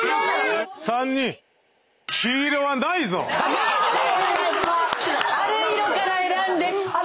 ３人ある色から選んで。